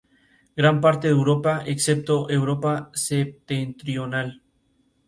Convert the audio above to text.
Gran parte de Europa, excepto Europa septentrional.